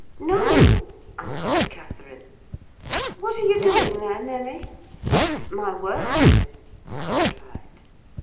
"No," answered Catherine. "What are you doing there, Nelly?" "My work, Miss," I replied.